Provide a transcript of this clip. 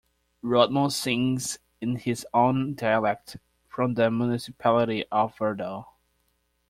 Rotmo sings in his own dialect, from the municipality of Verdal.